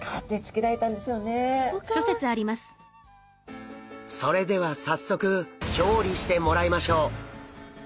それでは早速調理してもらいましょう！